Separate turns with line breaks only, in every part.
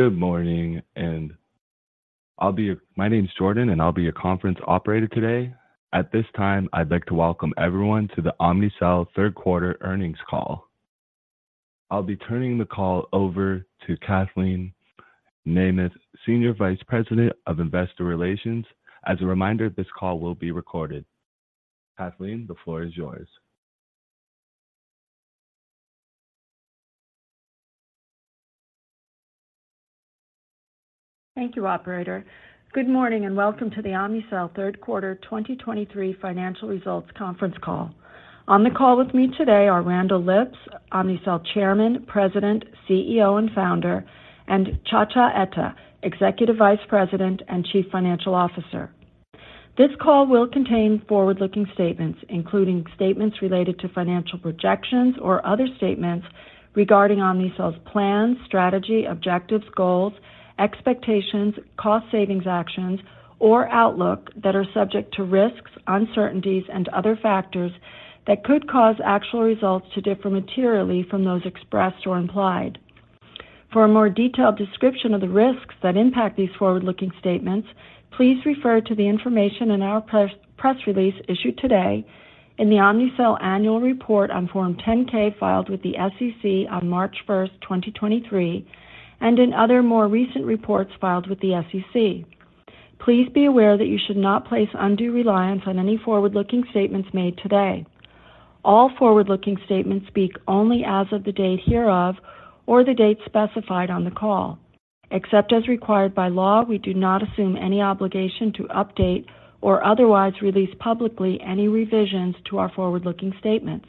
Good morning, and I'll be... My name is Jordan, and I'll be your conference operator today. At this time, I'd like to welcome everyone to the Omnicell Third Quarter Earnings Call. I'll be turning the call over to Kathleen Nemeth, Senior Vice President of Investor Relations. As a reminder, this call will be recorded. Kathleen, the floor is yours.
Thank you, operator. Good morning, and welcome to the Omnicell Third Quarter 2023 Financial Results Conference Call. On the call with me today are Randall Lipps, Omnicell Chairman, President, CEO, and Founder, and Nchacha Etta, Executive Vice President and Chief Financial Officer. This call will contain forward-looking statements, including statements related to financial projections or other statements regarding Omnicell's plans, strategy, objectives, goals, expectations, cost savings actions, or outlook that are subject to risks, uncertainties, and other factors that could cause actual results to differ materially from those expressed or implied. For a more detailed description of the risks that impact these forward-looking statements, please refer to the information in our press release issued today in the Omnicell Annual Report on Form 10-K, filed with the SEC on March 1, 2023, and in other more recent reports filed with the SEC. Please be aware that you should not place undue reliance on any forward-looking statements made today. All forward-looking statements speak only as of the date hereof or the date specified on the call. Except as required by law, we do not assume any obligation to update or otherwise release publicly any revisions to our forward-looking statements.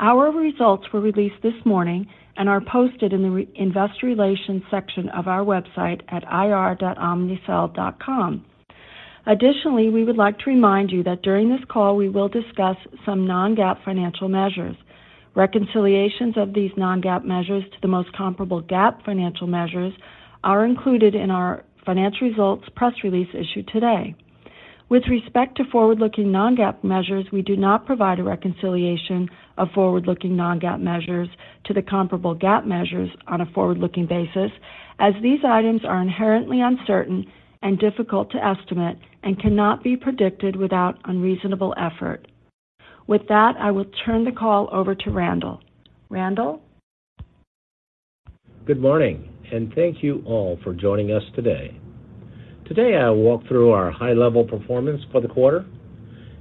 Our results were released this morning and are posted in the Investor Relations section of our website at ir.omnicell.com. Additionally, we would like to remind you that during this call, we will discuss some non-GAAP financial measures. Reconciliations of these non-GAAP measures to the most comparable GAAP financial measures are included in our financial results press release issued today. With respect to forward-looking non-GAAP measures, we do not provide a reconciliation of forward-looking non-GAAP measures to the comparable GAAP measures on a forward-looking basis, as these items are inherently uncertain and difficult to estimate and cannot be predicted without unreasonable effort. With that, I will turn the call over to Randall. Randall?
Good morning, and thank you all for joining us today. Today, I'll walk through our high-level performance for the quarter,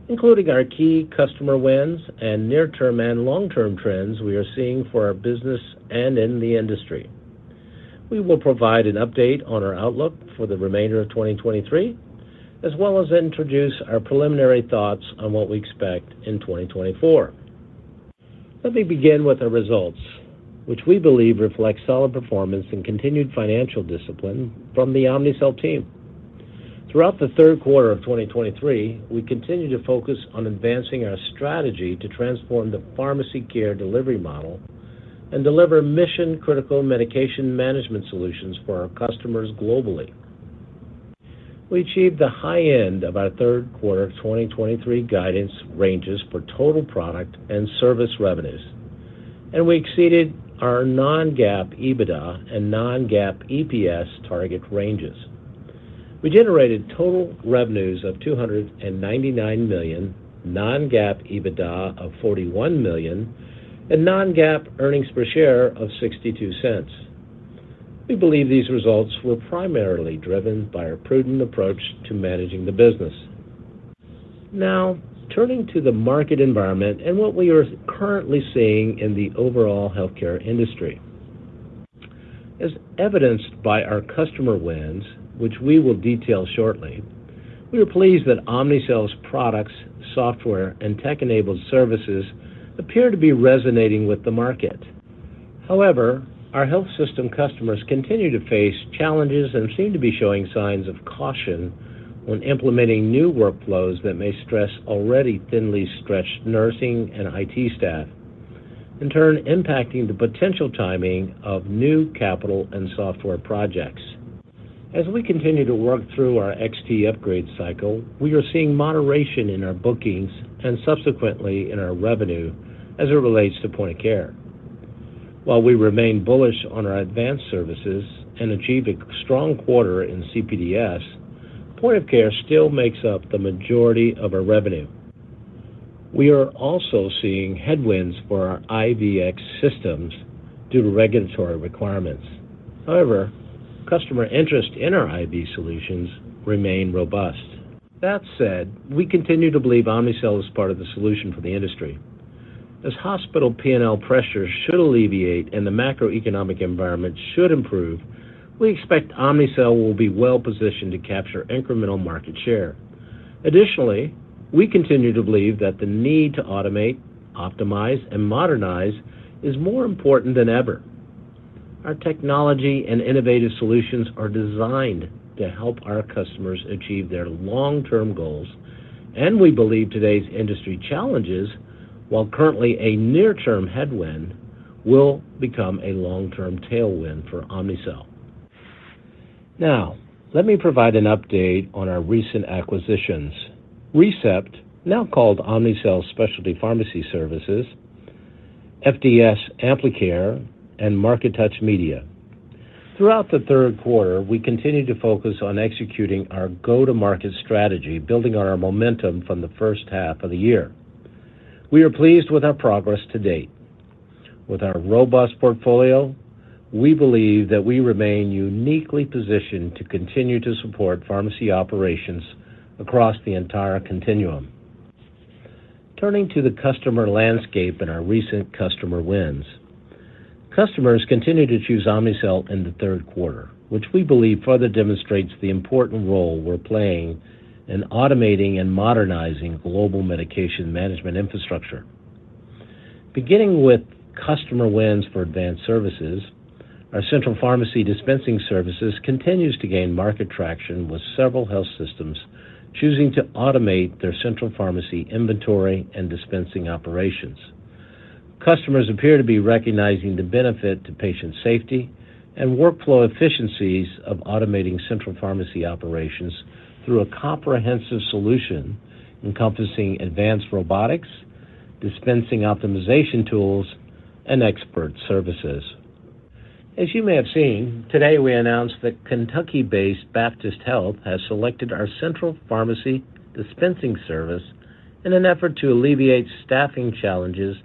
including our key customer wins and near-term and long-term trends we are seeing for our business and in the industry. We will provide an update on our outlook for the remainder of 2023, as well as introduce our preliminary thoughts on what we expect in 2024. Let me begin with our results, which we believe reflect solid performance and continued financial discipline from the Omnicell team. Throughout the third quarter of 2023, we continued to focus on advancing our strategy to transform the pharmacy care delivery model and deliver mission-critical medication management solutions for our customers globally. We achieved the high end of our third quarter of 2023 guidance ranges for total product and service revenues, and we exceeded our non-GAAP EBITDA and non-GAAP EPS target ranges. We generated total revenues of $299 million, non-GAAP EBITDA of $41 million, and non-GAAP earnings per share of $0.62. We believe these results were primarily driven by our prudent approach to managing the business. Now, turning to the market environment and what we are currently seeing in the overall healthcare industry. As evidenced by our customer wins, which we will detail shortly, we are pleased that Omnicell's products, software, and tech-enabled services appear to be resonating with the market. However, our health system customers continue to face challenges and seem to be showing signs of caution when implementing new workflows that may stress already thinly stretched nursing and IT staff, in turn impacting the potential timing of new capital and software projects. As we continue to work through our XT upgrade cycle, we are seeing moderation in our bookings and subsequently in our revenue as it relates to Point of Care. While we remain bullish on our advanced services and achieved a strong quarter in CPDS, Point of Care still makes up the majority of our revenue. We are also seeing headwinds for our IVX systems due to regulatory requirements. However, customer interest in our IV solutions remain robust. That said, we continue to believe Omnicell is part of the solution for the industry. As hospital P&L pressures should alleviate and the macroeconomic environment should improve, we expect Omnicell will be well positioned to capture incremental market share. Additionally, we continue to believe that the need to automate, optimize, and modernize is more important than ever. Our Technology and Innovative Solutions are designed to help our customers achieve their long-term goals, and we believe today's industry challenges, while currently a near-term headwind, will become a long-term tailwind for Omnicell.... Now, let me provide an update on our recent acquisitions. ReCept, now called Omnicell Specialty Pharmacy Services, FDS Amplicare, and MarketTouch Media. Throughout the third quarter, we continued to focus on executing our go-to-market strategy, building on our momentum from the first half of the year. We are pleased with our progress to date. With our robust portfolio, we believe that we remain uniquely positioned to continue to support pharmacy operations across the entire continuum. Turning to the customer landscape and our recent customer wins, customers continued to choose Omnicell in the third quarter, which we believe further demonstrates the important role we're playing in automating and modernizing global medication management infrastructure. Beginning with customer wins for advanced services, our central pharmacy dispensing services continues to gain market traction, with several health systems choosing to automate their central pharmacy inventory and dispensing operations. Customers appear to be recognizing the benefit to patient safety and workflow efficiencies of automating central pharmacy operations through a comprehensive solution encompassing advanced robotics, dispensing optimization tools, and expert services. As you may have seen, today, we announced that Kentucky-based Baptist Health has selected our central pharmacy dispensing service in an effort to alleviate staffing challenges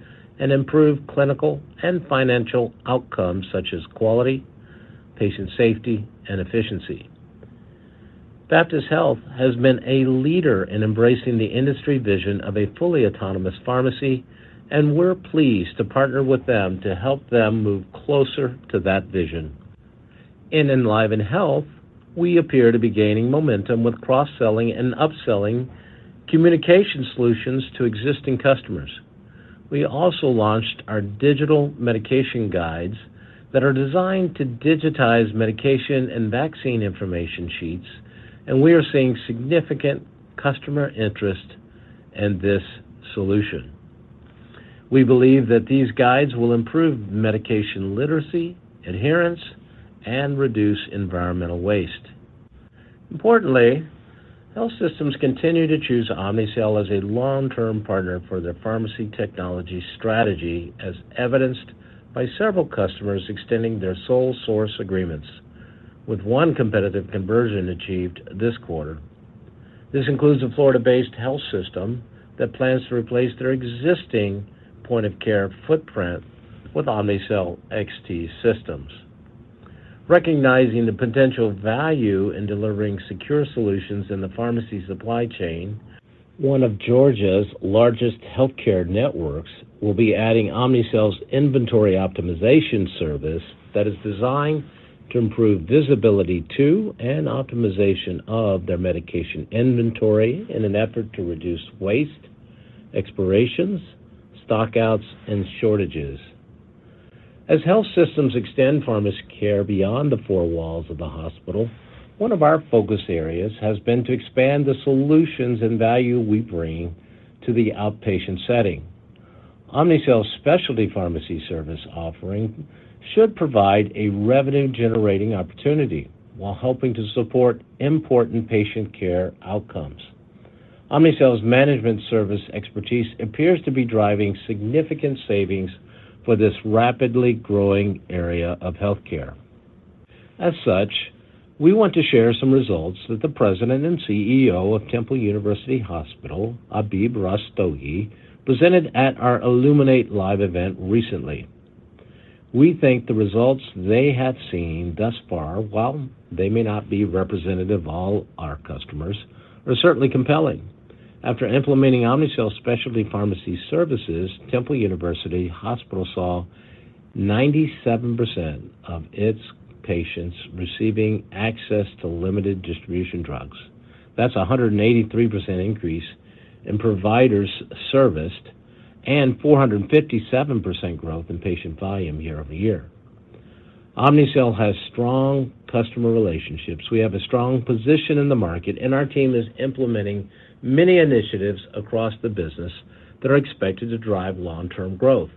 and improve clinical and financial outcomes such as quality, patient safety, and efficiency. Baptist Health has been a leader in embracing the industry vision of a fully autonomous pharmacy, and we're pleased to partner with them to help them move closer to that vision. In Enliven Health, we appear to be gaining momentum with cross-selling and upselling communication solutions to existing customers. We also launched our digital medication guides that are designed to digitize medication and vaccine information sheets, and we are seeing significant customer interest in this solution. We believe that these guides will improve medication literacy, adherence, and reduce environmental waste. Importantly, health systems continue to choose Omnicell as a long-term partner for their pharmacy technology strategy, as evidenced by several customers extending their sole source agreements, with one competitive conversion achieved this quarter. This includes a Florida-based health system that plans to replace their existing point-of-care footprint with Omnicell XT systems. Recognizing the potential value in delivering secure solutions in the pharmacy supply chain, one of Georgia's largest healthcare networks will be adding Omnicell's inventory optimization service that is designed to improve visibility to and optimization of their medication inventory in an effort to reduce waste, expirations, stockouts, and shortages. As health systems extend pharmacy care beyond the four walls of the hospital, one of our focus areas has been to expand the solutions and value we bring to the outpatient setting. Omnicell's specialty pharmacy service offering should provide a revenue-generating opportunity while helping to support important patient care outcomes. Omnicell's management service expertise appears to be driving significant savings for this rapidly growing area of healthcare. As such, we want to share some results that the President and CEO of Temple University Hospital, Abhi Rastogi, presented at our Illuminate Live event recently. We think the results they have seen thus far, while they may not be representative of all our customers, are certainly compelling. After implementing Omnicell's specialty pharmacy services, Temple University Hospital saw 97% of its patients receiving access to limited distribution drugs. That's a 183% increase in providers serviced and 457% growth in patient volume year-over-year. Omnicell has strong customer relationships. We have a strong position in the market, and our team is implementing many initiatives across the business that are expected to drive long-term growth.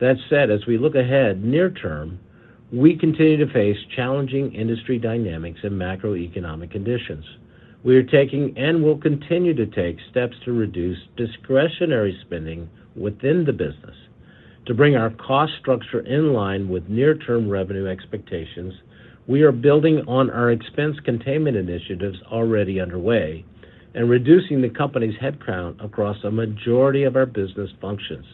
That said, as we look ahead near term, we continue to face challenging industry dynamics and macroeconomic conditions. We are taking and will continue to take steps to reduce discretionary spending within the business. To bring our cost structure in line with near-term revenue expectations, we are building on our expense containment initiatives already underway and reducing the company's headcount across a majority of our business functions.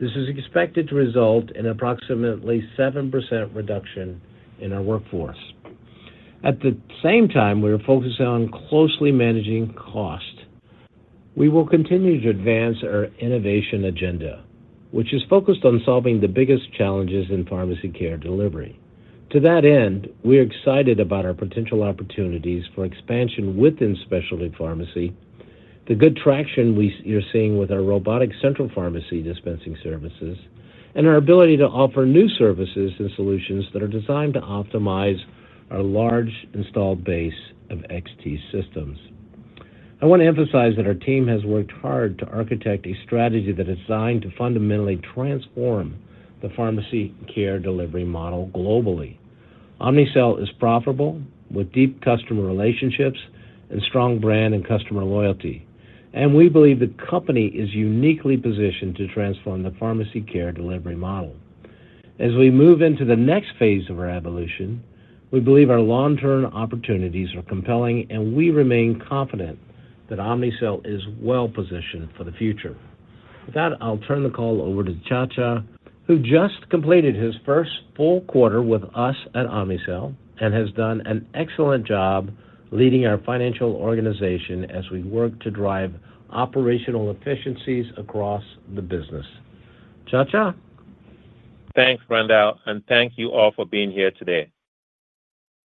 This is expected to result in approximately 7% reduction in our workforce. At the same time, we are focusing on closely managing cost. We will continue to advance our innovation agenda, which is focused on solving the biggest challenges in pharmacy care delivery. To that end, we are excited about our potential opportunities for expansion within specialty pharmacy, the good traction we are seeing with our robotic central pharmacy dispensing services, and our ability to offer new services and solutions that are designed to optimize our large installed base of XT systems. I want to emphasize that our team has worked hard to architect a strategy that is designed to fundamentally transform the pharmacy care delivery model globally. Omnicell is profitable, with deep customer relationships and strong brand and customer loyalty, and we believe the company is uniquely positioned to transform the pharmacy care delivery model. As we move into the next phase of our evolution, we believe our long-term opportunities are compelling, and we remain confident that Omnicell is well positioned for the future. With that, I'll turn the call over to Nchacha, who just completed his first full quarter with us at Omnicell and has done an excellent job leading our financial organization as we work to drive operational efficiencies across the business. Nchacha?
Thanks, Randall, and thank you all for being here today.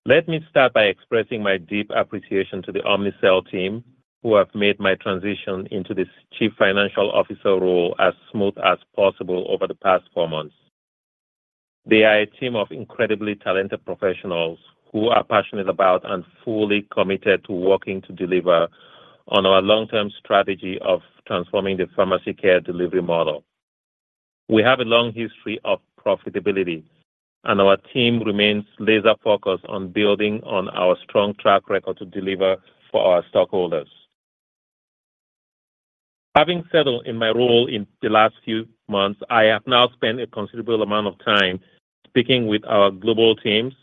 Let me start by expressing my deep appreciation to the Omnicell team, who have made my transition into this Chief Financial Officer role as smooth as possible over the past four months. They are a team of incredibly talented professionals who are passionate about and fully committed to working to deliver on our long-term strategy of transforming the pharmacy care delivery model. We have a long history of profitability, and our team remains laser focused on building on our strong track record to deliver for our stockholders. Having settled in my role in the last few months, I have now spent a considerable amount of time speaking with our global teams,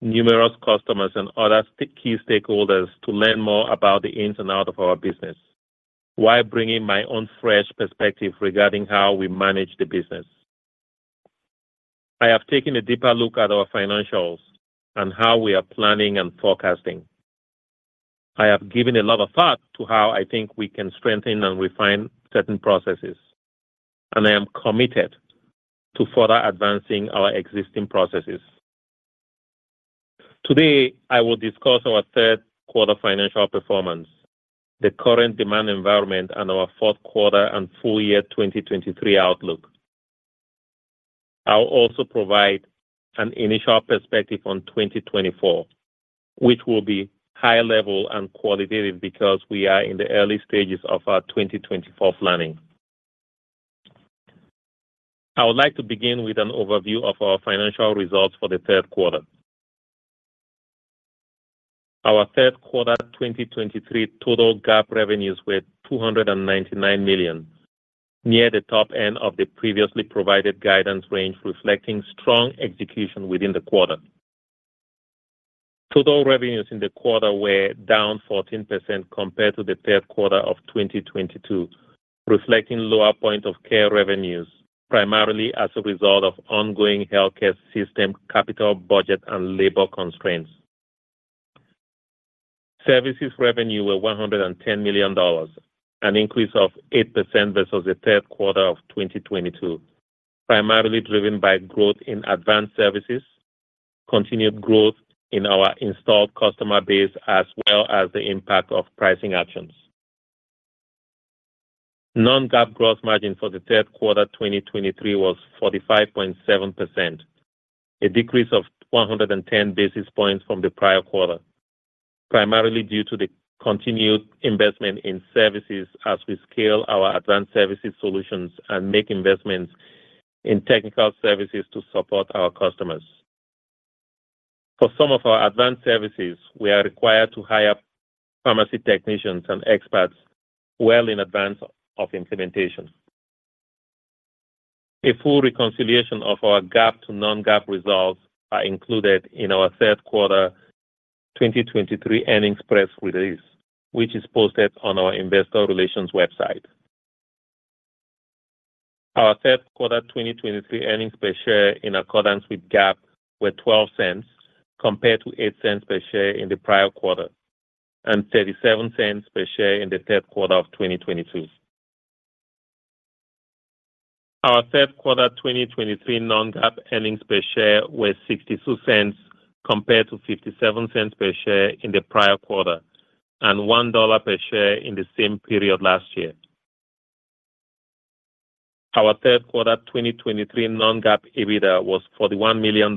numerous customers, and other key stakeholders to learn more about the ins and outs of our business, while bringing my own fresh perspective regarding how we manage the business. I have taken a deeper look at our financials and how we are planning and forecasting. I have given a lot of thought to how I think we can strengthen and refine certain processes, and I am committed to further advancing our existing processes. Today, I will discuss our third quarter financial performance, the current demand environment, and our fourth quarter and full year 2023 outlook. I'll also provide an initial perspective on 2024, which will be high level and qualitative because we are in the early stages of our 2024 planning. I would like to begin with an overview of our financial results for the third quarter. Our third quarter 2023 total GAAP revenues were $299 million, near the top end of the previously provided guidance range, reflecting strong execution within the quarter. Total revenues in the quarter were down 14% compared to the third quarter of 2022, reflecting lower Point of Care revenues, primarily as a result of ongoing healthcare system, capital budget, and labor constraints. Services revenue were $110 million, an increase of 8% versus the third quarter of 2022, primarily driven by growth in advanced services, continued growth in our installed customer base, as well as the impact of pricing actions. Non-GAAP gross margin for the third quarter 2023 was 45.7%, a decrease of 110 basis points from the prior quarter, primarily due to the continued investment in services as we scale our advanced services solutions and make investments in technical services to support our customers. For some of our advanced services, we are required to hire pharmacy technicians and experts well in advance of implementation. A full reconciliation of our GAAP to non-GAAP results are included in our third quarter 2023 earnings press release, which is posted on our investor relations website. Our third quarter 2023 earnings per share in accordance with GAAP were $0.12, compared to $0.08 per share in the prior quarter, and $0.37 per share in the third quarter of 2022. Our third quarter 2023 non-GAAP earnings per share were $0.62, compared to $0.57 per share in the prior quarter and $1 per share in the same period last year. Our third quarter 2023 non-GAAP EBITDA was $41 million,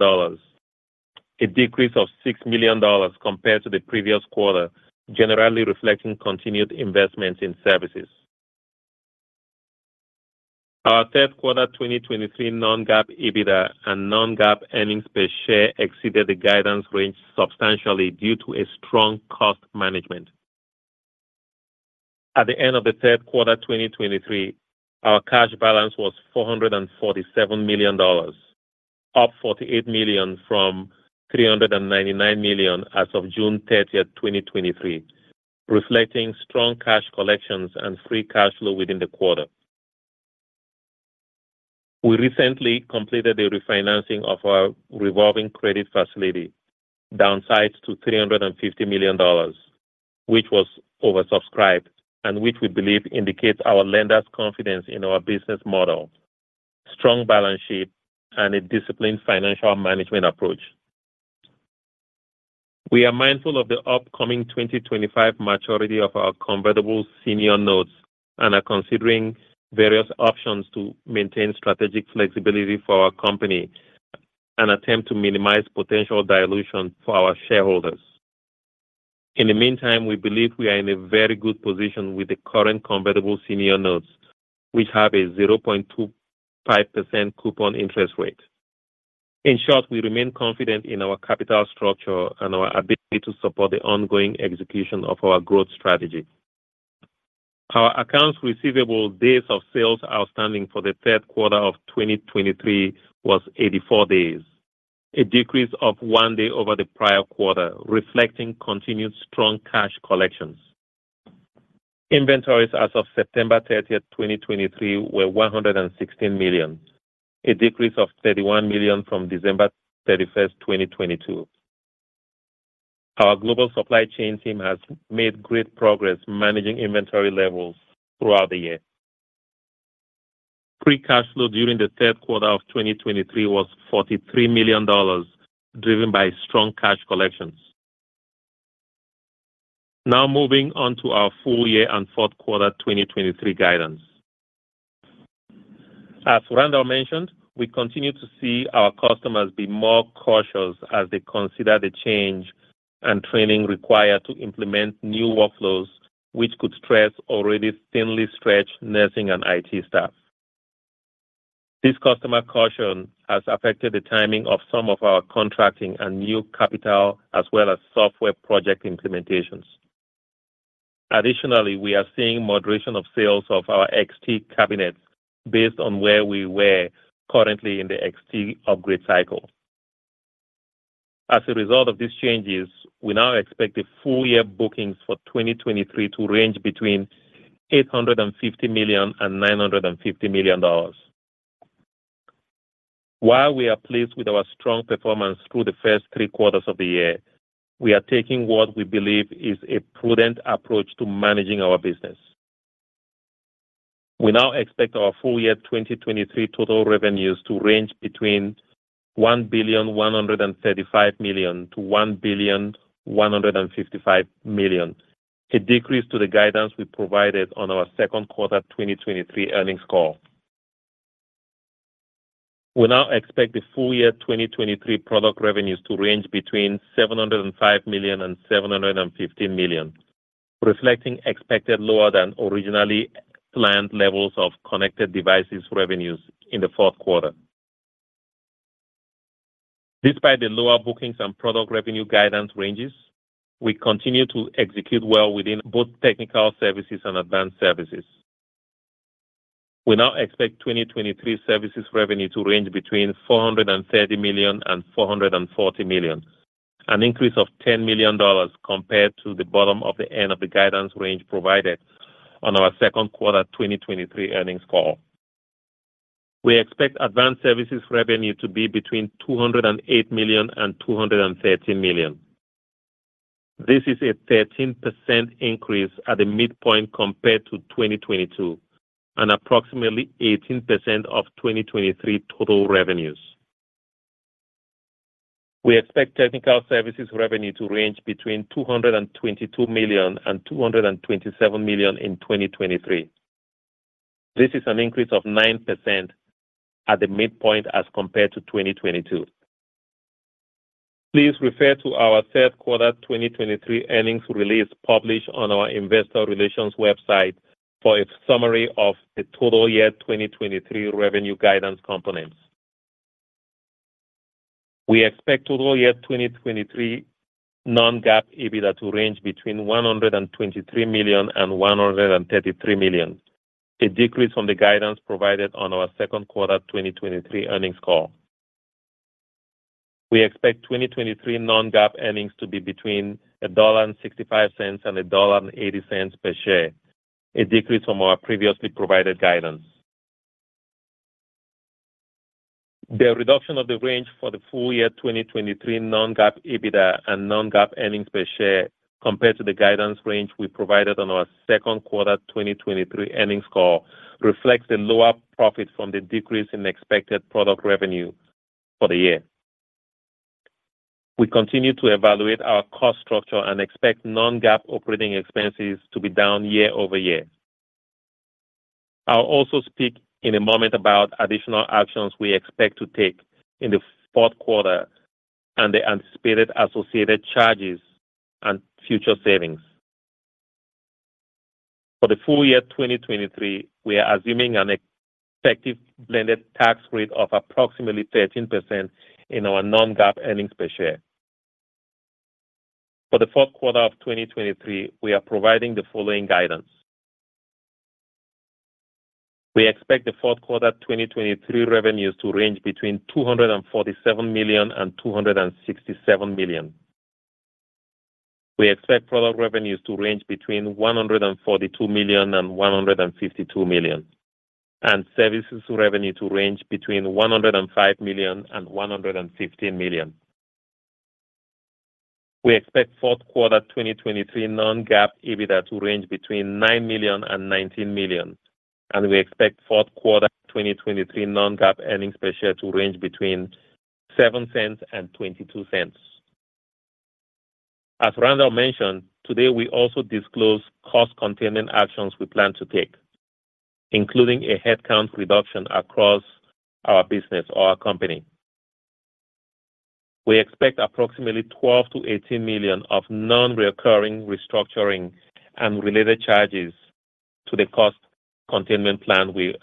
a decrease of $6 million compared to the previous quarter, generally reflecting continued investments in services. Our third quarter 2023 non-GAAP EBITDA and non-GAAP earnings per share exceeded the guidance range substantially due to a strong cost management. At the end of the third quarter 2023, our cash balance was $447 million, up $48 million from $399 million as of June 30, 2023, reflecting strong cash collections and free cash flow within the quarter. We recently completed the refinancing of our revolving credit facility, downsized to $350 million, which was oversubscribed and which we believe indicates our lenders' confidence in our business model, strong balance sheet, and a disciplined financial management approach. We are mindful of the upcoming 2025 maturity of our convertible senior notes and are considering various options to maintain strategic flexibility for our company... and attempt to minimize potential dilution for our shareholders. In the meantime, we believe we are in a very good position with the current convertible senior notes, which have a 0.25% coupon interest rate. In short, we remain confident in our capital structure and our ability to support the ongoing execution of our growth strategy. Our accounts receivable days of sales outstanding for the third quarter of 2023 was 84 days, a decrease of one day over the prior quarter, reflecting continued strong cash collections. Inventories as of September 30, 2023, were $116 million, a decrease of $31 million from December 31, 2022. Our global supply chain team has made great progress managing inventory levels throughout the year. Free cash flow during the third quarter of 2023 was $43 million, driven by strong cash collections. Now moving on to our full year and fourth quarter 2023 guidance. As Randall mentioned, we continue to see our customers be more cautious as they consider the change and training required to implement new workflows, which could stress already thinly stretched nursing and IT staff. This customer caution has affected the timing of some of our contracting and new capital, as well as software project implementations. Additionally, we are seeing moderation of sales of our XT cabinets based on where we were currently in the XT upgrade cycle. As a result of these challenges, we now expect the full year bookings for 2023 to range between $850 million and $950 million. While we are pleased with our strong performance through the first three quarters of the year, we are taking what we believe is a prudent approach to managing our business. We now expect our full year 2023 total revenues to range between $1.135 billion and $1.155 billion, a decrease to the guidance we provided on our second quarter 2023 earnings call. We now expect the full year 2023 product revenues to range between $705 million and $715 million, reflecting expected lower than originally planned levels of connected devices revenues in the fourth quarter. Despite the lower bookings and product revenue guidance ranges, we continue to execute well within both technical services and advanced services. We now expect 2023 services revenue to range between $430 million and $440 million, an increase of $10 million compared to the bottom of the end of the guidance range provided on our second quarter 2023 earnings call. We expect advanced services revenue to be between $208 million and $213 million. This is a 13% increase at the midpoint compared to 2022, and approximately 18% of 2023 total revenues. We expect technical services revenue to range between $222 million and $227 million in 2023. This is an increase of 9% at the midpoint as compared to 2022. Please refer to our third quarter 2023 earnings release published on our investor relations website for a summary of the total year 2023 revenue guidance components. We expect total year 2023 non-GAAP EBITDA to range between $123 million and $133 million, a decrease from the guidance provided on our second quarter 2023 earnings call. We expect 2023 non-GAAP earnings to be between $1.65 and $1.80 per share, a decrease from our previously provided guidance. The reduction of the range for the full year 2023 non-GAAP EBITDA and non-GAAP earnings per share compared to the guidance range we provided on our second quarter 2023 earnings call, reflects the lower profit from the decrease in expected product revenue for the year. We continue to evaluate our cost structure and expect non-GAAP operating expenses to be down year-over-year. I'll also speak in a moment about additional actions we expect to take in the fourth quarter and the anticipated associated charges and future savings. For the full year 2023, we are assuming an effective blended tax rate of approximately 13% in our non-GAAP earnings per share. For the fourth quarter of 2023, we are providing the following guidance: We expect the fourth quarter 2023 revenues to range between $247 million and $267 million. We expect product revenues to range between $142 million and $152 million, and services revenue to range between $105 million and $115 million. We expect fourth quarter 2023 non-GAAP EBITDA to range between $9 million and $19 million, and we expect fourth quarter 2023 non-GAAP earnings per share to range between $0.07 and $0.22. As Randall mentioned, today, we also disclose cost containment actions we plan to take, including a headcount reduction across our business or our company. We expect approximately $12 million to $18 million of non-recurring restructuring and related charges to the cost containment plan we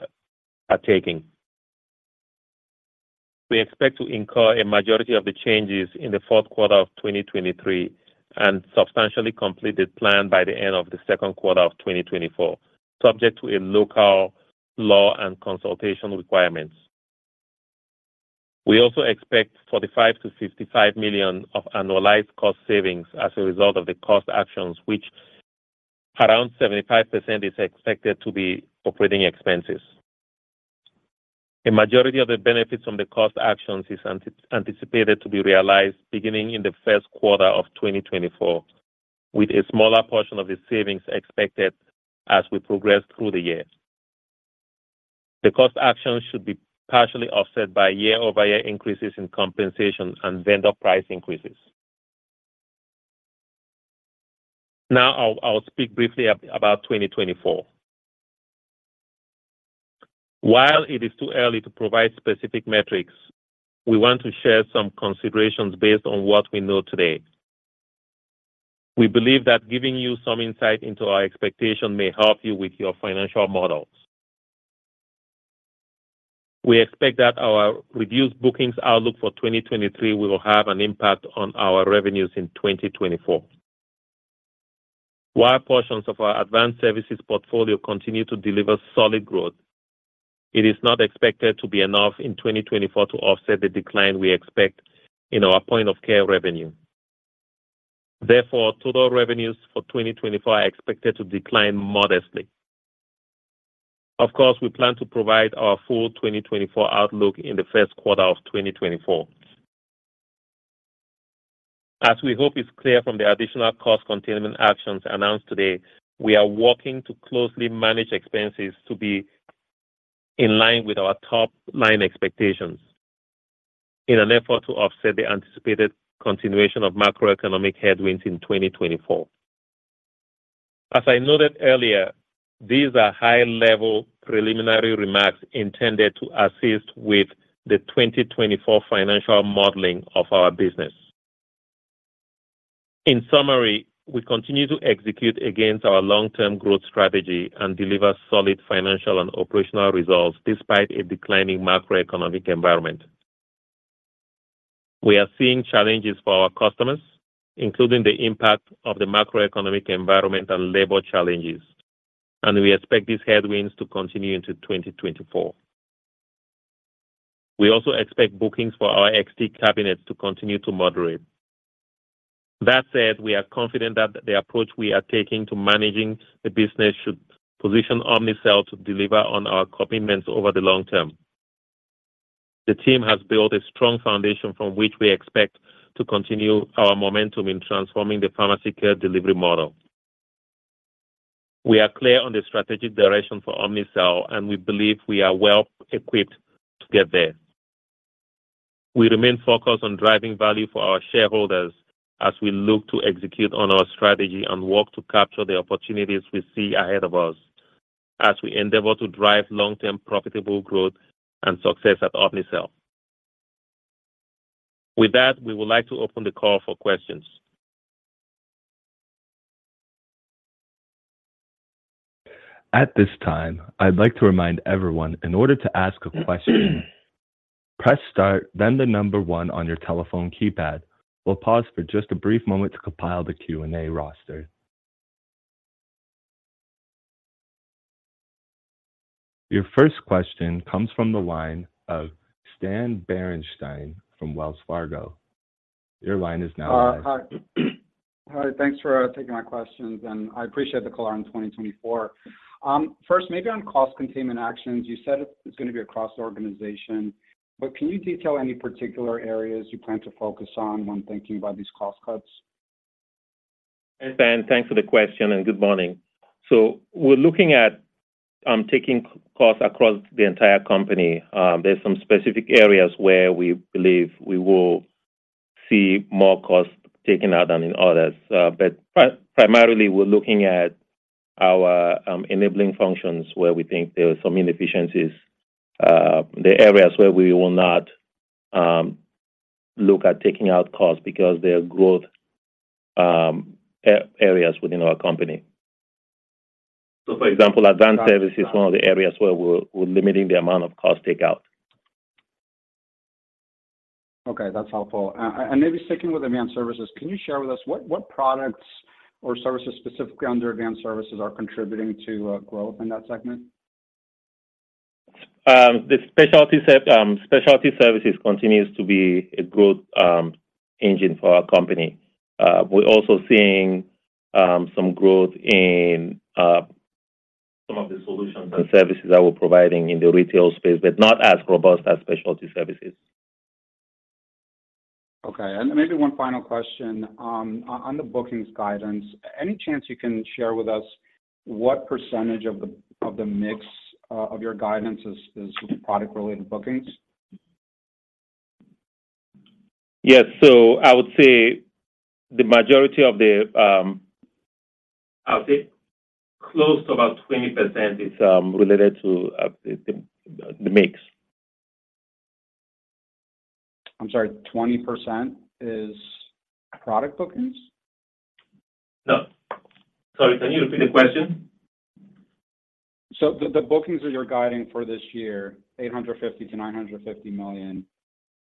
are taking. We expect to incur a majority of the changes in the fourth quarter of 2023, and substantially complete the plan by the end of the second quarter of 2024, subject to a local law and consultation requirements. We also expect $45-$55 million of annualized cost savings as a result of the cost actions, which around 75% is expected to be operating expenses. A majority of the benefits from the cost actions is anticipated to be realized beginning in the first quarter of 2024, with a smaller portion of the savings expected as we progress through the year. The cost actions should be partially offset by year-over-year increases in compensation and vendor price increases. Now, I'll speak briefly about 2024. While it is too early to provide specific metrics, we want to share some considerations based on what we know today. We believe that giving you some insight into our expectation may help you with your financial models. We expect that our reduced bookings outlook for 2023 will have an impact on our revenues in 2024. While portions of our advanced services portfolio continue to deliver solid growth, it is not expected to be enough in 2024 to offset the decline we expect in our Point of Care revenue. Therefore, total revenues for 2024 are expected to decline modestly. Of course, we plan to provide our full 2024 outlook in the first quarter of 2024. As we hope is clear from the additional cost containment actions announced today, we are working to closely manage expenses to be in line with our top-line expectations in an effort to offset the anticipated continuation of macroeconomic headwinds in 2024. As I noted earlier, these are high-level preliminary remarks intended to assist with the 2024 financial modeling of our business. In summary, we continue to execute against our long-term growth strategy and deliver solid financial and operational results despite a declining macroeconomic environment. We are seeing challenges for our customers, including the impact of the macroeconomic environment and labor challenges, and we expect these headwinds to continue into 2024. We also expect bookings for our XT cabinets to continue to moderate. That said, we are confident that the approach we are taking to managing the business should position Omnicell to deliver on our commitments over the long term. The team has built a strong foundation from which we expect to continue our momentum in transforming the pharmacy care delivery model. We are clear on the strategic direction for Omnicell, and we believe we are well-equipped to get there. We remain focused on driving value for our shareholders as we look to execute on our strategy and work to capture the opportunities we see ahead of us as we endeavor to drive long-term profitable growth and success at Omnicell. With that, we would like to open the call for questions.
At this time, I'd like to remind everyone, in order to ask a question, press Star, then the number one on your telephone keypad. We'll pause for just a brief moment to compile the Q&A roster. Your first question comes from the line of Stan Berenshteyn from Wells Fargo. Your line is now live.
Hi. Hi, thanks for taking my questions, and I appreciate the color on 2024. First, maybe on cost containment actions, you said it, it's gonna be across the organization, but can you detail any particular areas you plan to focus on when thinking about these cost cuts?
Hi, Stan. Thanks for the question, and good morning. So we're looking at taking costs across the entire company. There's some specific areas where we believe we will see more cost taken out than in others. But primarily, we're looking at our enabling functions, where we think there are some inefficiencies, the areas where we will not look at taking out costs because they are growth areas within our company. So, for example, advanced services is one of the areas where we're, we're limiting the amount of cost taken out.
Okay, that's helpful. Maybe sticking with advanced services, can you share with us what, what products or services specifically under advanced services are contributing to growth in that segment?
The specialty services continues to be a good engine for our company. We're also seeing some growth in some of the solutions and services that we're providing in the retail space, but not as robust as specialty services.
Okay, and maybe one final question. On the bookings guidance, any chance you can share with us what percentage of the mix of your guidance is product-related bookings?...
Yes, so I would say the majority of the, I would say close to about 20% is related to the mix.
I'm sorry, 20% is product bookings?
No. Sorry, can you repeat the question?
So the bookings that you're guiding for this year, $850 million-$950 million,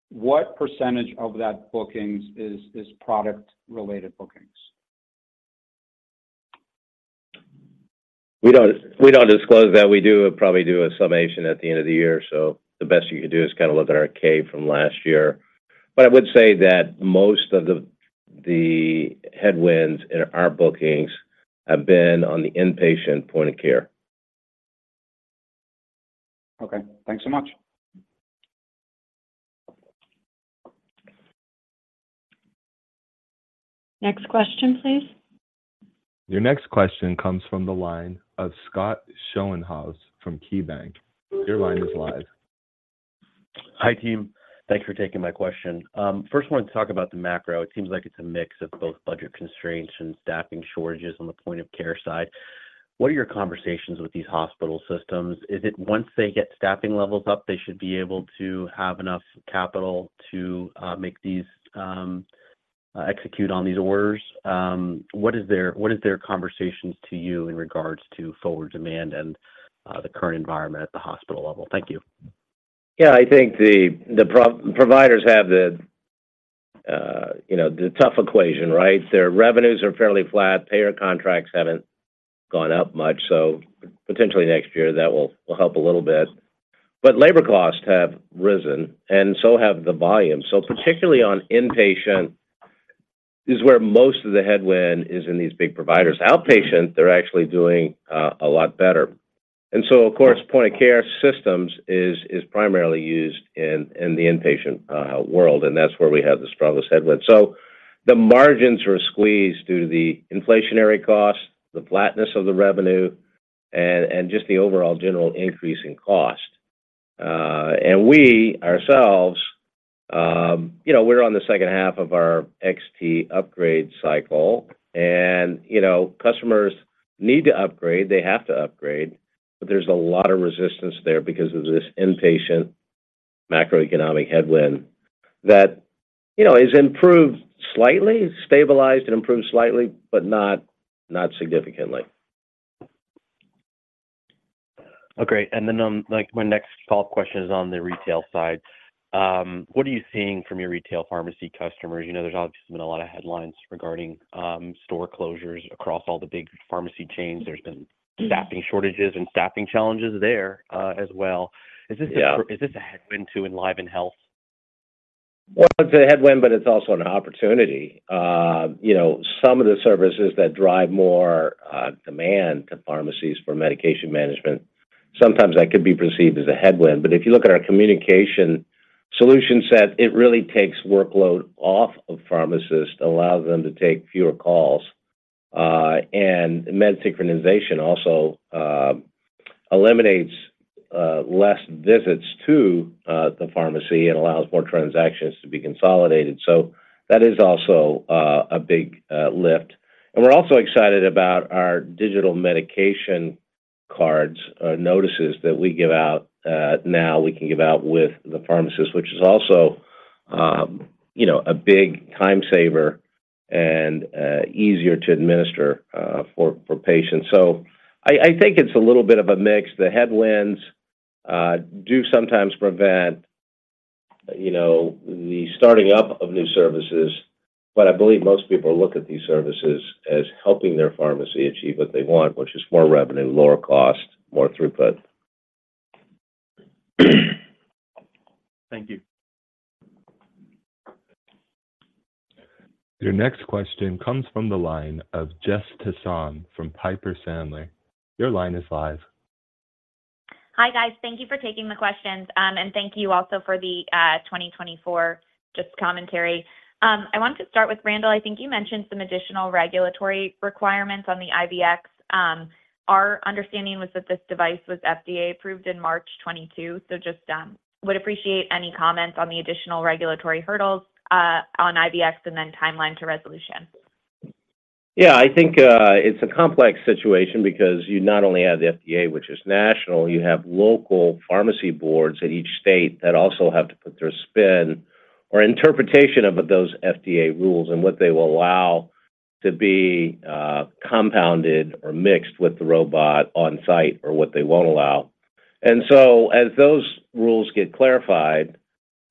what percentage of that bookings is product-related bookings?
We don't, we don't disclose that. We do probably do a summation at the end of the year, so the best you could do is kind of look at our 10-K from last year. I would say that most of the, the headwinds in our bookings have been on the inpatient Point of Care.
Okay, thanks so much.
Next question, please.
Your next question comes from the line of Scott Schoenhaus from KeyBanc. Your line is live.
Hi, team. Thanks for taking my question. First, I wanted to talk about the macro. It seems like it's a mix of both budget constraints and staffing shortages on the Point of Care side. What are your conversations with these hospital systems? Is it once they get staffing levels up, they should be able to have enough capital to, make these, execute on these orders? What is their, what is their conversations to you in regards to forward demand and, the current environment at the hospital level? Thank you.
Yeah, I think the providers have the, you know, the tough equation, right? Their revenues are fairly flat, payer contracts haven't gone up much, so potentially next year, that will help a little bit. But labor costs have risen, and so have the volume. So particularly on inpatient, is where most of the headwind is in these big providers. Outpatient, they're actually doing a lot better. And so, of course, point-of-care systems is primarily used in the inpatient world, and that's where we have the strongest headwind. So the margins are squeezed due to the inflationary cost, the flatness of the revenue, and just the overall general increase in cost. And we ourselves, you know, we're on the second half of our XT upgrade cycle, and, you know, customers need to upgrade, they have to upgrade, but there's a lot of resistance there because of this inpatient macroeconomic headwind that, you know, has improved slightly, stabilized and improved slightly, but not significantly.
Oh, great. And then, like, my next follow-up question is on the retail side. What are you seeing from your retail pharmacy customers? You know, there's obviously been a lot of headlines regarding store closures across all the big pharmacy chains. There's been staffing shortages and staffing challenges there, as well.
Yeah.
Is this a headwind to Enliven Health?
Well, it's a headwind, but it's also an opportunity. You know, some of the services that drive more demand to pharmacies for medication management, sometimes that could be perceived as a headwind. But if you look at our communication solution set, it really takes workload off of pharmacists, allows them to take fewer calls, and med synchronization also eliminates less visits to the pharmacy and allows more transactions to be consolidated. So that is also a big lift. And we're also excited about our digital medication cards, notices that we give out. Now we can give out with the pharmacist, which is also, you know, a big time saver and easier to administer for patients. So I think it's a little bit of a mix. The headwinds do sometimes prevent, you know, the starting up of new services, but I believe most people look at these services as helping their pharmacy achieve what they want, which is more revenue, lower cost, more throughput.
Thank you.
Your next question comes from the line of Jess Tassan from Piper Sandler. Your line is live.
Hi, guys. Thank you for taking the questions, and thank you also for the 2024 just commentary. I wanted to start with Randall. I think you mentioned some additional regulatory requirements on the IVX. Our understanding was that this device was FDA approved in March 2022, so just would appreciate any comments on the additional regulatory hurdles on IVX and then timeline to resolution.
Yeah, I think, it's a complex situation because you not only have the FDA, which is national, you have local pharmacy boards in each state that also have to put their spin or interpretation of those FDA rules and what they will allow to be, compounded or mixed with the robot on site or what they won't allow. And so as those rules get clarified,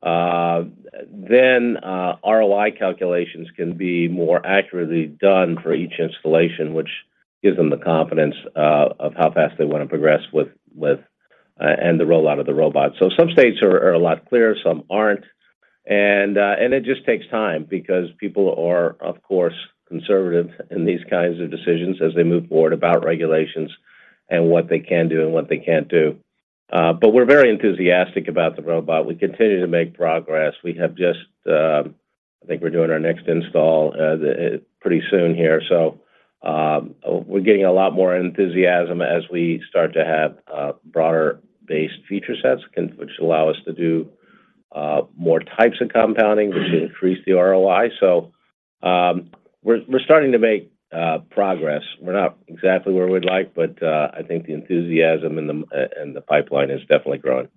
then, ROI calculations can be more accurately done for each installation, which gives them the confidence, of how fast they want to progress with, and the rollout of the robot. So some states are a lot clearer, some aren't, and, and it just takes time because people are, of course, conservative in these kinds of decisions as they move forward about regulations and what they can do and what they can't do. But we're very enthusiastic about the robot. We continue to make progress. I think we're doing our next install pretty soon here. So, we're getting a lot more enthusiasm as we start to have broader-based feature sets, which allow us to do more types of compounding, which should increase the ROI. So, we're starting to make progress. We're not exactly where we'd like, but I think the enthusiasm and the pipeline is definitely growing.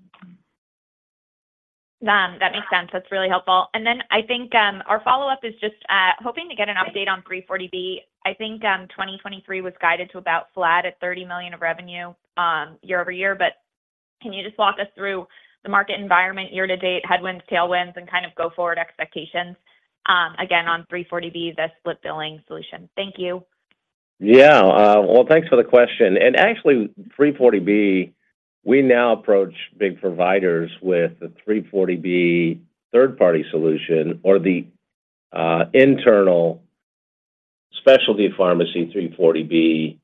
That makes sense. That's really helpful. And then I think, our follow-up is just, hoping to get an update on 340B. I think, 2023 was guided to about flat at $30 million of revenue, year-over-year. But can you just walk us through the market environment, year-to-date, headwinds, tailwinds, and kind of go-forward expectations, again, on 340B, the split billing solution? Thank you.
Yeah. Well, thanks for the question. And actually, 340B, we now approach big providers with a 340B third-party solution or the internal specialty pharmacy 340B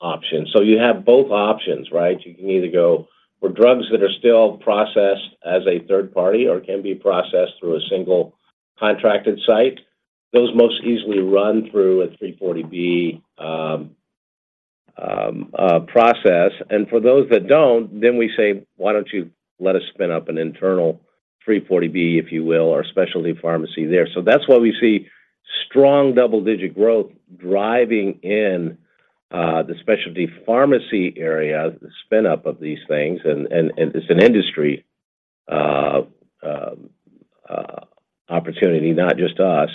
option. So you have both options, right? You can either go for drugs that are still processed as a third party or can be processed through a single contracted site. Those most easily run through a 340B process. And for those that don't, then we say, "Why don't you let us spin up an internal 340B, if you will, or a specialty pharmacy there?" So that's why we see strong double-digit growth driving in the specialty pharmacy area, the spin-up of these things, and it's an industry opportunity, not just us.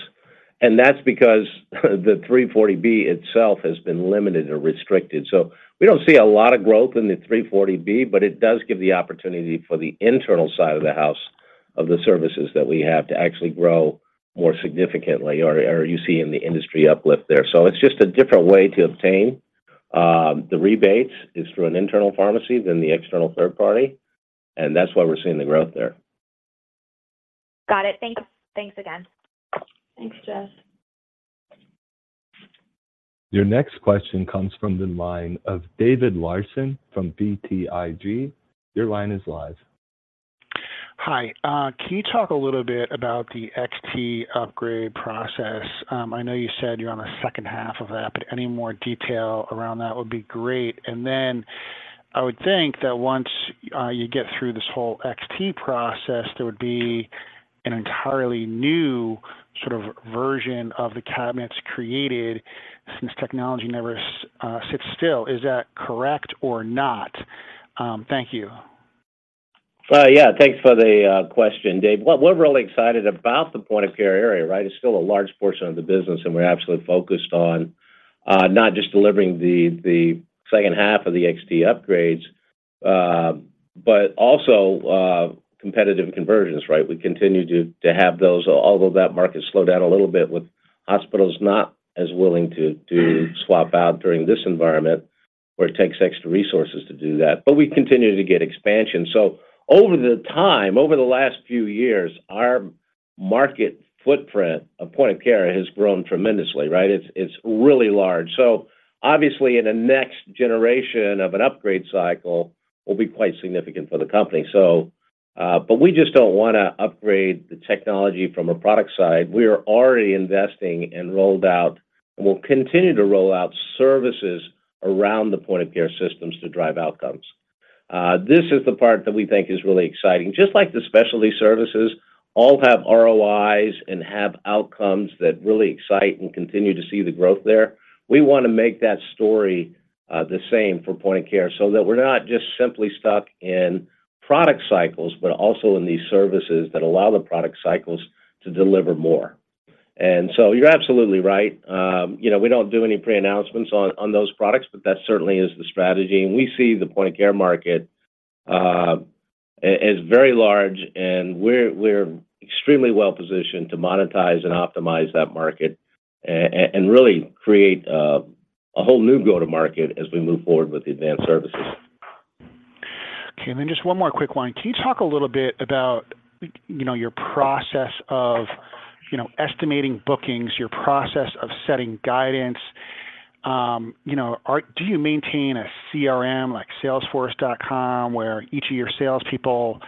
And that's because the 340B itself has been limited or restricted. So we don't see a lot of growth in the 340B, but it does give the opportunity for the internal side of the house of the services that we have to actually grow more significantly, or you see in the industry uplift there. So it's just a different way to obtain the rebates, is through an internal pharmacy than the external third party, and that's why we're seeing the growth there.
Got it. Thanks again.
Thanks, Jess.
Your next question comes from the line of David Larsen from BTIG. Your line is live.
Hi. Can you talk a little bit about the XT upgrade process? I know you said you're on the second half of that, but any more detail around that would be great. And then I would think that once you get through this whole XT process, there would be an entirely new sort of version of the cabinets created, since technology never sits still. Is that correct or not? Thank you.
Yeah, thanks for the question, Dave. Well, we're really excited about the Point of Care area, right? It's still a large portion of the business, and we're absolutely focused on not just delivering the second half of the XT upgrades, but also competitive conversions, right? We continue to have those, although that market slowed down a little bit, with hospitals not as willing to swap out during this environment, where it takes extra resources to do that. But we continue to get expansion. So over the time, over the last few years, our market footprint of Point of Care has grown tremendously, right? It's really large. So obviously, in the next generation of an upgrade cycle, will be quite significant for the company. So, but we just don't wanna upgrade the technology from a product side. We are already investing and rolled out, and we'll continue to roll out services around the Point of Care systems to drive outcomes. This is the part that we think is really exciting. Just like the specialty services, all have ROIs and have outcomes that really excite and continue to see the growth there. We wanna make that story, the same for Point of Care, so that we're not just simply stuck in product cycles, but also in these services that allow the product cycles to deliver more. And so you're absolutely right. You know, we don't do any pre-announcements on, on those products, but that certainly is the strategy, and we see the point-of-care market as very large, and we're, we're extremely well positioned to monetize and optimize that market and really create a whole new go-to-market as we move forward with the advanced services.
Okay, and then just one more quick one. Can you talk a little bit about, you know, your process of, you know, estimating bookings, your process of setting guidance? You know, are do you maintain a CRM, like Salesforce.com, where each of your salespeople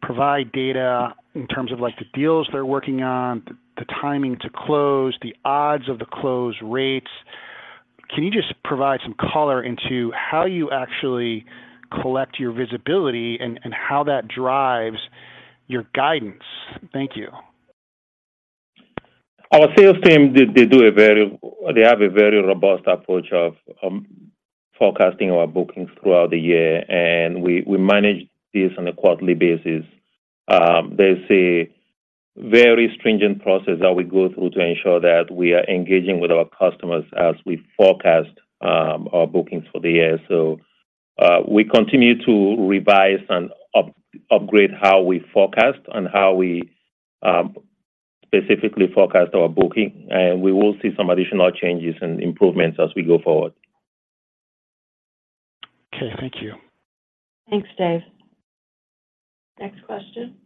provide data in terms of, like, the deals they're working on, the, the timing to close, the odds of the close rates? Can you just provide some color into how you actually collect your visibility and, and how that drives your guidance? Thank you.
Our sales team, they have a very robust approach of forecasting our bookings throughout the year, and we manage this on a quarterly basis. There's a very stringent process that we go through to ensure that we are engaging with our customers as we forecast our bookings for the year. So, we continue to revise and up-upgrade how we forecast and how we specifically forecast our booking, and we will see some additional changes and improvements as we go forward.
Okay. Thank you.
Thanks, Dave.
Next question.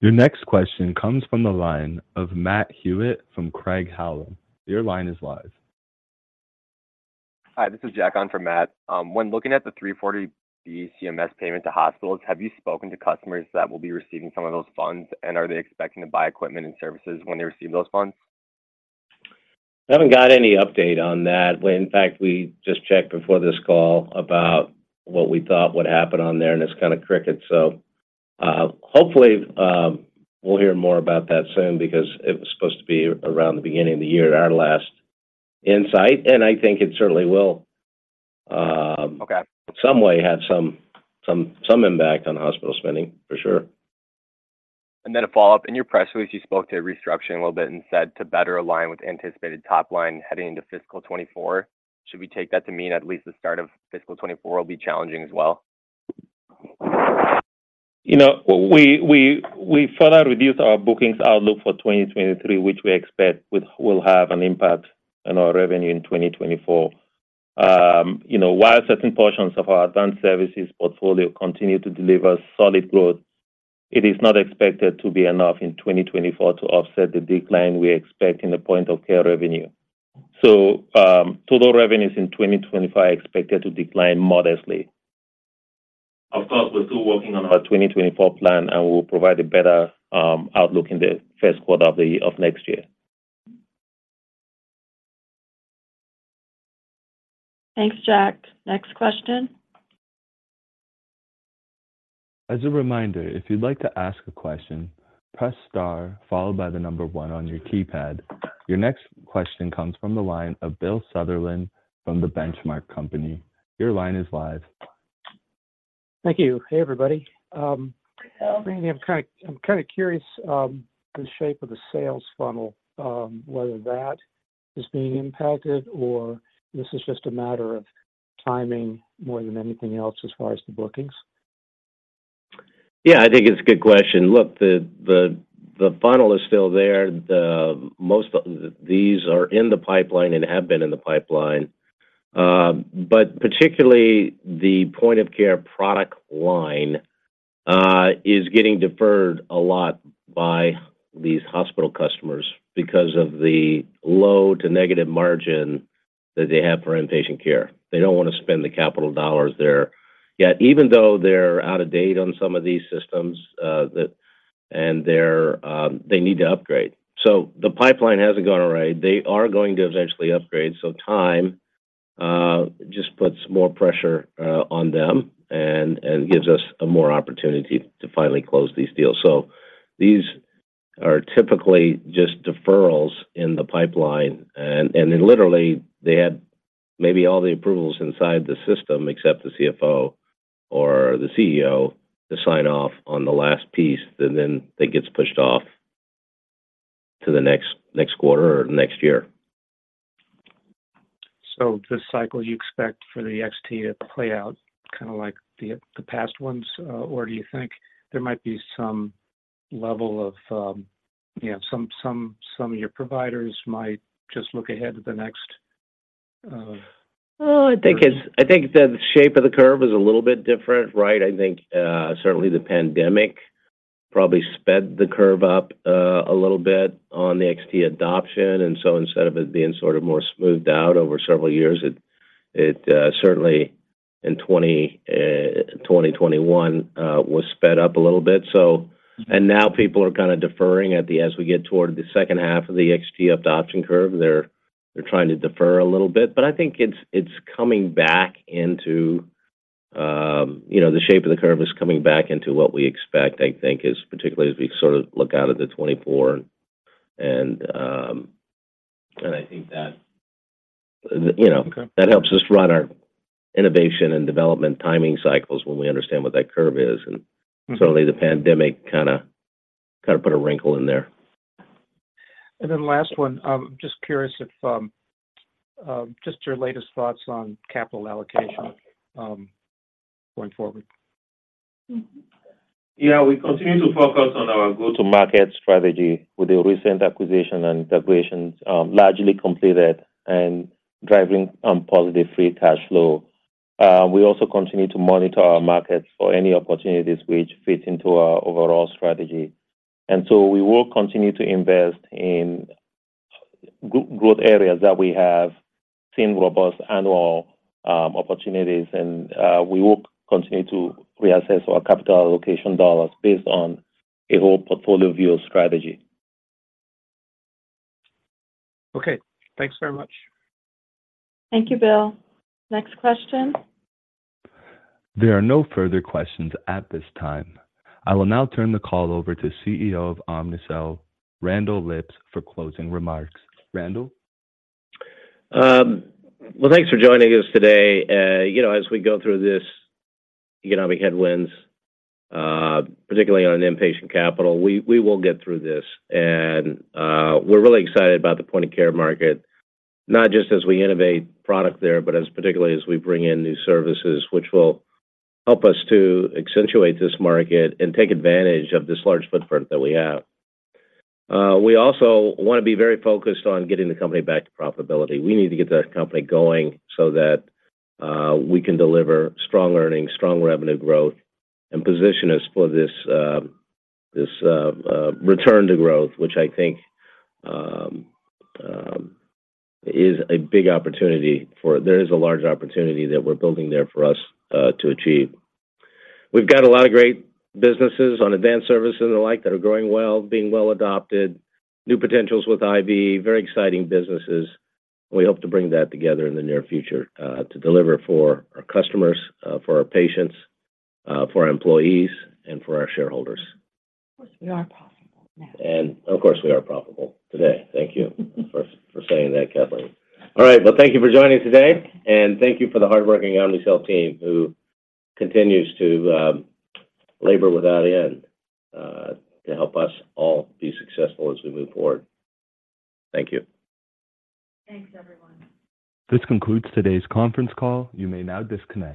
Your next question comes from the line of Matt Hewitt from Craig-Hallum. Your line is live. ...
Hi, this is Jack on for Matt. When looking at the 340B CMS payment to hospitals, have you spoken to customers that will be receiving some of those funds, and are they expecting to buy equipment and services when they receive those funds?
I haven't got any update on that. Well, in fact, we just checked before this call about what we thought would happen on there, and it's kind of crickets. So, hopefully, we'll hear more about that soon, because it was supposed to be around the beginning of the year at our last insight, and I think it certainly will,
Okay
some way have some impact on hospital spending, for sure.
Then a follow-up. In your press release, you spoke to restructuring a little bit and said, "To better align with anticipated top line heading into fiscal 2024." Should we take that to mean at least the start of fiscal 2024 will be challenging as well?
You know, we further reduced our bookings outlook for 2023, which will have an impact on our revenue in 2024. You know, while certain portions of our advanced services portfolio continue to deliver solid growth, it is not expected to be enough in 2024 to offset the decline we expect in the point-of-care revenue. So, total revenues in 2025 are expected to decline modestly. Of course, we're still working on our 2024 plan, and we'll provide a better outlook in the first quarter of next year.
Thanks, Jack. Next question.
As a reminder, if you'd like to ask a question, press star followed by the number one on your keypad. Your next question comes from the line of Bill Sutherland from the Benchmark Company. Your line is live.
Thank you. Hey, everybody. I'm kind of curious, the shape of the sales funnel, whether that is being impacted or this is just a matter of timing more than anything else as far as the bookings?
Yeah, I think it's a good question. Look, the funnel is still there. Most of these are in the pipeline and have been in the pipeline, but particularly the Point of Care product line is getting deferred a lot by these hospital customers because of the low to negative margin that they have for inpatient care. They don't want to spend the capital dollars there, yet even though they're out of date on some of these systems, and they're, they need to upgrade. So the pipeline hasn't gone away. They are going to eventually upgrade, so time just puts more pressure on them and gives us a more opportunity to finally close these deals. So these are typically just deferrals in the pipeline, and then literally, they had maybe all the approvals inside the system, except the CFO or the CEO to sign off on the last piece, and then that gets pushed off to the next quarter or next year.
So this cycle, you expect for the XT to play out kind of like the past ones, or do you think there might be some level of, you know, some of your providers might just look ahead to the next?
I think that the shape of the curve is a little bit different, right? I think certainly the pandemic probably sped the curve up a little bit on the XT adoption, and so instead of it being sort of more smoothed out over several years, it certainly in 2021 was sped up a little bit. So. And now people are kind of deferring at the, as we get toward the second half of the XT adoption curve, they're trying to defer a little bit. But I think it's coming back into, you know, the shape of the curve is coming back into what we expect, I think, as particularly as we sort of look out at 2024. And, and I think that, you know-
Okay...
That helps us run our innovation and development timing cycles when we understand what that curve is.
Mm-hmm.
Certainly, the pandemic kind of, kind of put a wrinkle in there.
And then last one, just curious if, just your latest thoughts on capital allocation, going forward.
Yeah. We continue to focus on our go-to-market strategy with the recent acquisition, and integrations largely completed and driving positive free cash flow. We also continue to monitor our markets for any opportunities which fit into our overall strategy, and so we will continue to invest in growth areas that we have seen robust annual opportunities, and we will continue to reassess our capital allocation dollars based on a whole portfolio view strategy.
Okay. Thanks very much.
Thank you, Bill. Next question?
There are no further questions at this time. I will now turn the call over to CEO of Omnicell, Randall Lipps, for closing remarks. Randall?
Well, thanks for joining us today. You know, as we go through this economic headwinds, particularly on an inpatient capital, we will get through this. We're really excited about the point of care market, not just as we innovate product there, but particularly as we bring in new services, which will help us to accentuate this market and take advantage of this large footprint that we have. We also want to be very focused on getting the company back to profitability. We need to get that company going so that we can deliver strong earnings, strong revenue growth, and position us for this, this, return to growth, which I think is a big opportunity for— There is a large opportunity that we're building there for us to achieve. We've got a lot of great businesses on advanced services and the like that are growing well, being well adopted, new potentials with IV, very exciting businesses. We hope to bring that together in the near future, to deliver for our customers, for our patients, for our employees, and for our shareholders.
Of course, we are profitable now.
And of course, we are profitable today. Thank you for saying that, Kathleen. All right, well, thank you for joining us today, and thank you for the hardworking Omnicell team, who continues to labor without end to help us all be successful as we move forward. Thank you.
Thanks, everyone.
This concludes today's conference call. You may now disconnect.